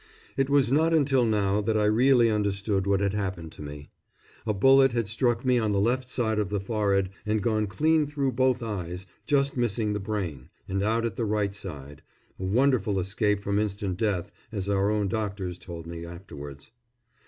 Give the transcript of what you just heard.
It was not until now that I really understood what had happened to me. A bullet had struck me on the left side of the forehead and gone clean through both eyes, just missing the brain, and out at the right side a wonderful escape from instant death, as our own doctors told me afterwards.